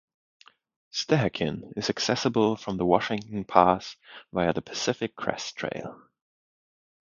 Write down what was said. Stehekin is accessible from Washington Pass via the Pacific Crest trail.